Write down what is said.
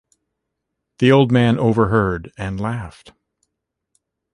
The old man overheard, and laughed.